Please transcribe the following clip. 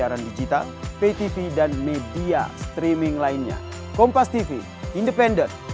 nanti kalau ada saya kabarin ya teman teman